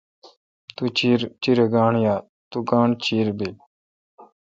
تو چیرہ گانٹھ یال۔۔تو گانٹھ چیر بیل۔